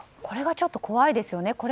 これがちょっと怖いですね。